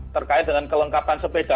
terkait dengan kelengkapan sepeda